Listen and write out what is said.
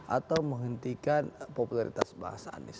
atau menghentikan popularitas bahasa anies